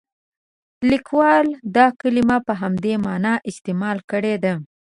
لیکوال دا کلمه په همدې معنا استعمال کړې ده.